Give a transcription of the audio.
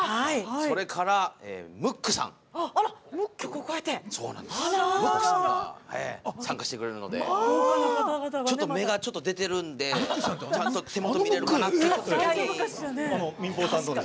それから、ムックさんが参加してくれるので、ちょっと目が出てるので手元見れるかなって。